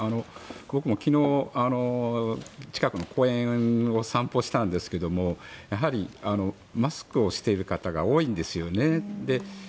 僕も昨日、近くの公園を散歩したんですけどやはりマスクをしている方が多いんですよね。